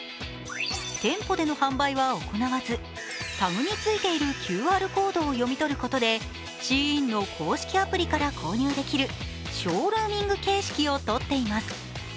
店舗での販売は行わずタグについているＱＲコードを読み取ることでＳＨＥＩＮの公式アプリから購入できるショールーミング形式をとっています。